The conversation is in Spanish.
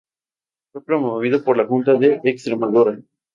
Fue promovido por la Junta de Extremadura.